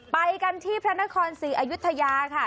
ไปกันที่พระนครศรีอยุธยาค่ะ